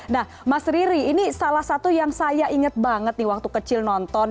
nah mas riri ini salah satu yang saya ingat banget nih waktu kecil nonton